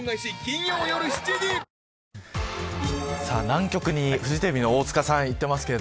南極にフジテレビの大塚さん行ってますが。